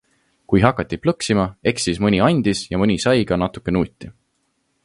Kui hakati plõksima, eks siis mõni andis ja mõni sai ka natukene nuuti.